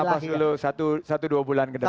harus nafas dulu satu dua bulan ke depan